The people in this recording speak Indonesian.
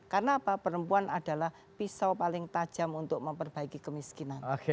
karena apa perempuan adalah pisau paling tajam untuk memperbaiki kemiskinan